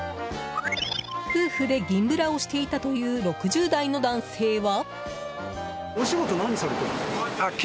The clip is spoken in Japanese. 夫婦で銀ブラをしていたという６０代の男性は。